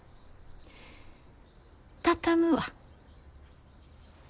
畳むわ。